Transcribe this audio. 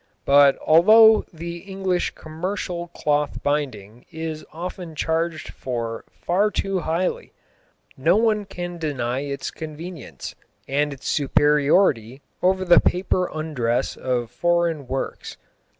But although the English commercial cloth binding is often charged for far too highly, no one can deny its convenience, and its superiority over the paper undress of foreign works.